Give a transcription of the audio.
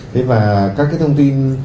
thế và các cái thông tin